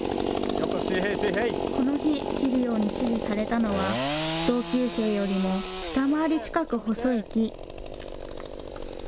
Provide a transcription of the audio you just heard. この日、切るように指示されたのは、同級生よりもふた周り近く細い木。